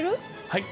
はい。